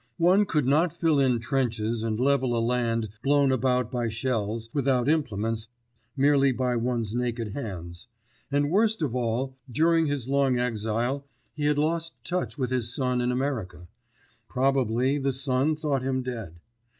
One could not fill in trenches and level a land blown about by shells without implements, merely with one's naked hands. And worst of all, during his long exile, he had lost touch with his son in America. Probably the son thought him dead.